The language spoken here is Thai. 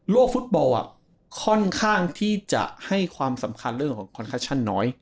ฟุตบอลค่อนข้างที่จะให้ความสำคัญเรื่องของคอนคชั่นน้อย